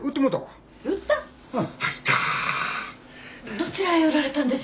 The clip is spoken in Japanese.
どちらへ売られたんでしょうか？